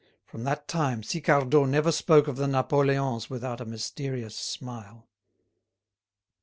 From that time, Sicardot never spoke of the Napoleons without a mysterious smile.